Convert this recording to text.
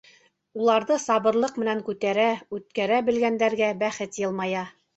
Уларҙы сабырлыҡ менән күтәрә, үткәрә белгәндәргә бәхет йылмая.